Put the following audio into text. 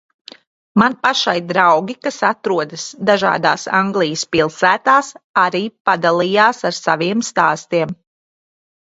Man pašai draugi, kas atrodas dažādās Anglijas pilsētās arī padalījās ar saviem stāstiem.